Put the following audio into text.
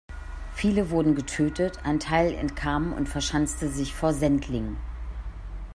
Viele wurden getötet, ein Teil entkam und verschanzte sich vor Sendling.